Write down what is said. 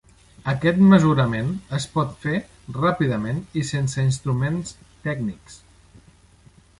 Aquest mesurament es pot fer ràpidament i sense instruments tècnics.